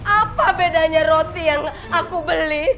apa bedanya roti yang aku beli